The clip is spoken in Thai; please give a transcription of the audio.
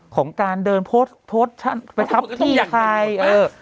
ของการเดินโพสเอาทัพที่ใคร